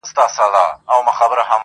څه عجيبه غوندي حالت دى په يوه وجود کي ,